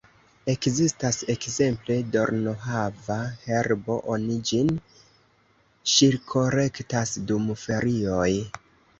Ekzistas, ekzemple, dornohava-herbo, oni ĝin ŝirkolektas dum ferioj.